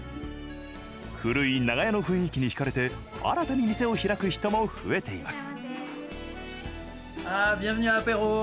古い長屋の雰囲気にひかれて新たに店を開く人も増えています。